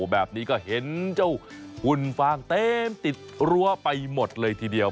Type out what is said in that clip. แบบนี้ก็เห็นเจ้าหุ่นฟางเต็มติดรั้วไปหมดเลยทีเดียว